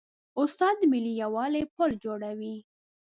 استاد د ملي یووالي پل جوړوي.